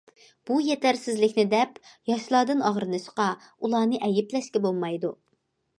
بۇ يېتەرسىزلىكنى دەپ ياشلاردىن ئاغرىنىشقا، ئۇلارنى ئەيىبلەشكە بولمايدۇ.